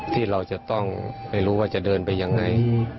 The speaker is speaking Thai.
ที่เราจะต้องไม่รู้ว่าจะเดินไปยังไง